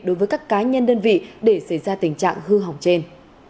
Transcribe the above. đối với các cá nhân đơn vị để xảy ra tình trạng hư hỏng trên